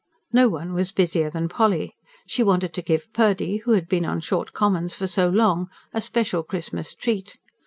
No one was busier than Polly. She wanted to give Purdy, who had been on short commons for so long, a special Christmas treat.